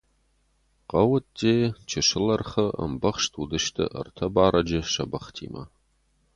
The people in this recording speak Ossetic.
Хъӕуы ӕдде, чысыл ӕрхы, ӕмбӕхст уыдысты ӕртӕ барӕджы сӕ бӕхтимӕ.